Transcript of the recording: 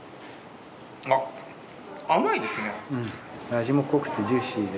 味も濃くてジューシーで。